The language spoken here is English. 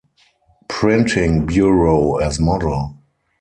Printing Bureau as model.